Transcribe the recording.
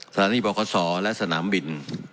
สถานีบรคศและสนามบิน